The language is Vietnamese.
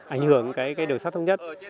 ảnh hưởng cái đường sắt thông nhất